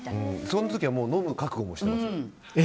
その時は飲む覚悟もしています。